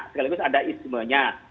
sekaligus ada ismanya